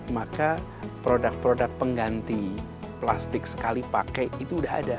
maka produk produk pengganti plastik sekali pakai itu sudah ada